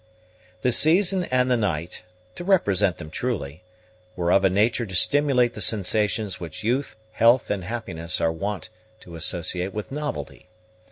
The season and the night, to represent them truly, were of a nature to stimulate the sensations which youth, health, and happiness are wont to associate with novelty.